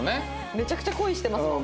めちゃくちゃ恋してますもん。